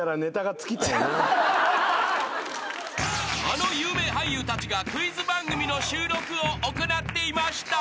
［あの有名俳優たちがクイズ番組の収録を行っていました］